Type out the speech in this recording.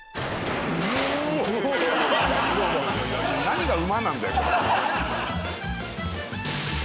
何が馬なんだよ？